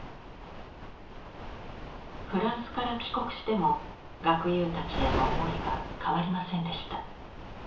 フランスから帰国しても学友たちへの思いは変わりませんでした。